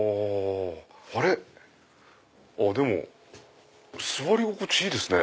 あれ⁉でも座り心地いいですね。